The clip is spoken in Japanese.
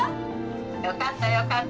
よかったよかった。